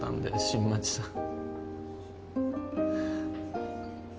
新町さん！